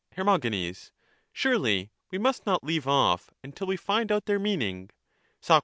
Her. Surely, we must not leave off until we find out their meaning. Soc.